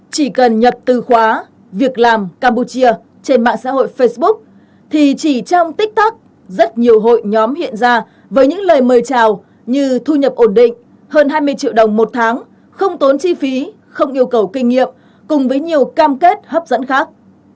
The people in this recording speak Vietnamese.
chỉ cần nhập từ khóa việc làm campuchia trên mạng xã hội facebook thì chỉ trong tiktok rất nhiều hội nhóm hiện ra với những lời mời chào như thu nhập ổn định hơn hai mươi triệu đồng một tháng không tốn chi phí không yêu cầu kinh nghiệm cùng với nhiều cam kết hấp dẫn khác